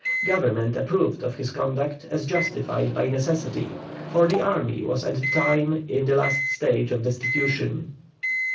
Government approved of his conduct as justified by necessity, for the army was at the time in the last stage of destitution.